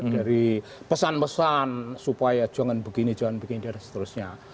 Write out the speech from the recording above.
dari pesan pesan supaya jangan begini jangan begini dan seterusnya